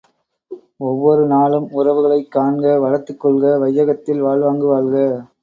ஒவ்வொரு நாளும் உறவுகளைக் காண்க வளர்த்துக் கொள்க வையகத்தில் வாழ்வாங்கு வாழ்க!